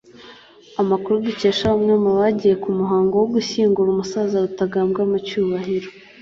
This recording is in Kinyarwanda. Amakuru dukesha bamwe mu bagiye ku muhango wo gushyingura umusaza Rutagambwa mu cyubahiro